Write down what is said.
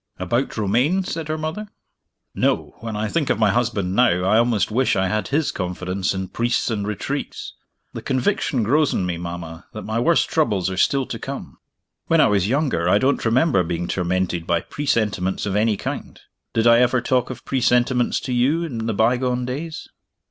"About Romayne?" said her mother. "No. When I think of my husband now, I almost wish I had his confidence in Priests and Retreats. The conviction grows on me, mama, that my worst troubles are still to come. When I was younger, I don't remember being tormented by presentiments of any kind. Did I ever talk of presentiments to you, in the bygone days?"